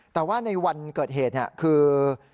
แต่ว่าในวันเกิดเหตุคือ